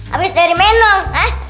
abis dari menong